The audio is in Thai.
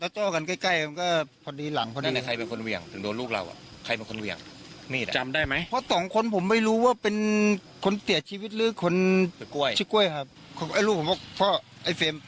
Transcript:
ชิ้นก้วยชิ้นก้วยค่ะค่ะให้รูปของผมว่าพ่อไอ้เฟรม